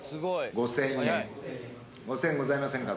５，０００円ございませんか？